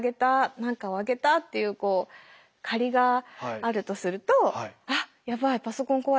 何かをあげたっていう借りがあるとすると「あやばいパソコン壊れた。